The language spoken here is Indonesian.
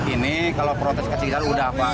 ini kalau protes ke sekitar sudah pak